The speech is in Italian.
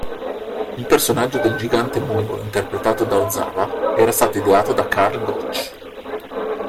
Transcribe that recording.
Il personaggio del gigante mongolo interpretato da Ozawa era stato ideato da Karl Gotch.